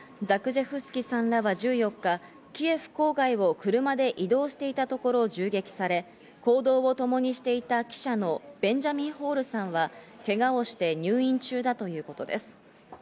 ザクジェフスキさんらは１４日、キエフ郊外を車で移動していたところを銃撃され、行動をともにしていた記者のベンジャミン・ホールさんはけがをして入院中だということです。